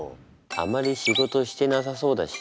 あまり仕事してなさそうだし。